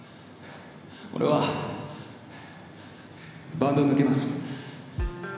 俺はバンドを抜けます。